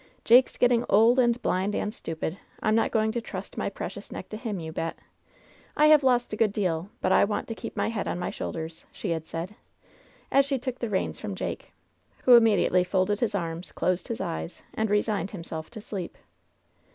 "Jake's getting old, and blind, and stnpid. Fm not going to trust my precious neck to him, you bet ! I have lost a good deal, but I want to keep my head on my shoulders," she had said, as she took the reins from Jake, who immediately folded his arms, closed his eyes and resigned himself to sleep.